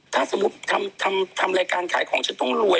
ถ้าสมมุติทำรายการขายของฉันต้องรวย